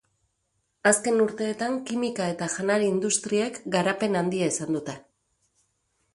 Azken urteetan kimika eta janari industriek garapen handia izan dute.